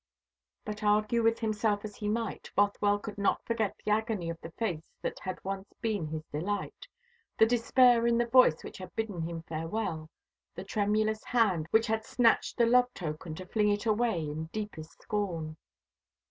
But argue with himself as he might, Bothwell could not forget the agony in the face that had once been his delight, the despair in the voice which had bidden him farewell, the tremulous hand which had snatched the love token to fling it away in deepest scorn.